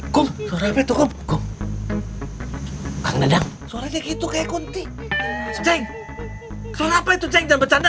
kau menyerah itu lucu